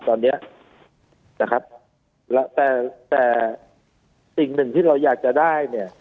ตอนนี้นะครับแต่แต่สิ่งหนึ่งที่เราอยากจะได้เนี่ย